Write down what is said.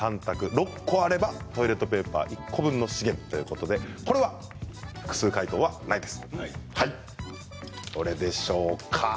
６個あればトイレットペーパー１個分の資源ということでこれは複数解答はないです。